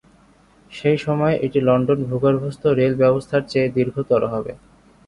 সেই সময়ে এটি লন্ডন ভূগর্ভস্থ রেল ব্যবস্থার চেয়ে দীর্ঘতর হবে।